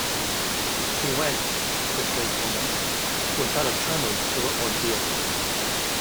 She went, the strange woman, without a tremor to her ordeal.